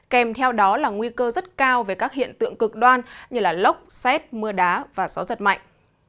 kèm theo đó là nguy cơ rất cao về các hiện tượng cực đoan như lốc xét mưa đá và gió giật mạnh